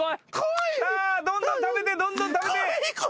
さあどんどん食べてどんどん食べて。